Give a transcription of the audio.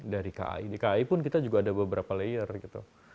dari kai dki pun kita juga ada beberapa layer gitu